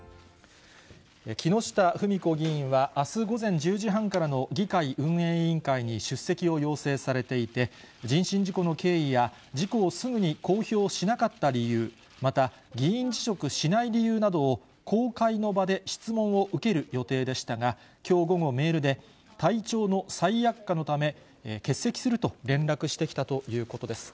木下富美子議員はあす午前１０時半からの議会運営委員会に出席を要請されていて、人身事故の経緯や、事故をすぐに公表しなかった理由、また、議員辞職しない理由などを公開の場で質問を受ける予定でしたが、きょう午後、メールで、体調の再悪化のため、欠席すると連絡してきたということです。